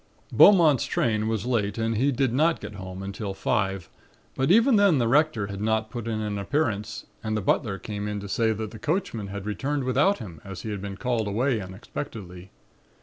"Beaumont's train was late and he did not get home until five, but even then the Rector had not put in an appearance and the butler came in to say that the coachman had returned without him as he had been called away unexpectedly.